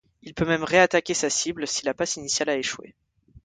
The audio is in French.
Il peut même ré-attaquer sa cible si la passe initiale a échoué.